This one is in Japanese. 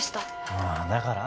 ああだから？